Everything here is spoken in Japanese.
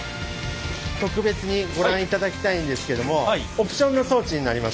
特別にご覧いただきたいんですけどもオプションの装置になります。